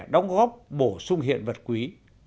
đóng góp bổ sung hiện vật quý